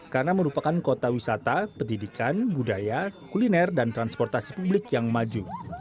karena merupakan kota wisata pendidikan budaya kuliner dan transportasi publik yang maju